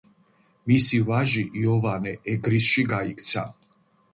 მისი ვაჟი იოვანე ეგრისში გაიქცა.